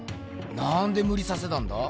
なんでむりさせたんだ？